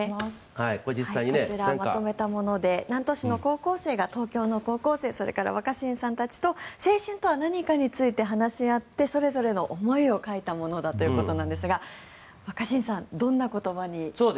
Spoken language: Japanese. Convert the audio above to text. こちら、まとめたもので南砺市の高校生が東京の高校生それから若新さんたちと青春とは何かについて話し合ってそれぞれの思いを書いたものだということなんですが若新さん、どんな言葉に注目されていますか。